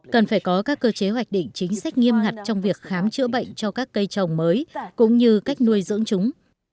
cần phải có các cơ chế hoạch định chính sách nghiêm ngặt trong việc khám chữa bệnh cho các cây trồng mới cũng như cách nuôi dưỡng chúng